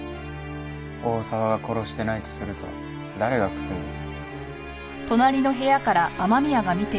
大沢が殺してないとすると誰が楠見を？